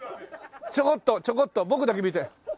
ちょこっとちょこっと僕だけ。